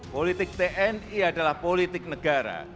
politik tni adalah politik negara